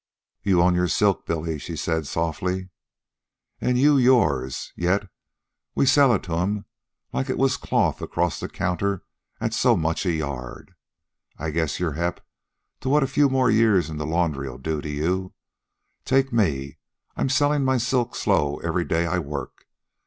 "You own your silk, Billy," she said softly. "An' you yours. Yet we sell it to 'em like it was cloth across the counter at so much a yard. I guess you're hep to what a few more years in the laundry'll do to you. Take me. I'm sellin' my silk slow every day I work.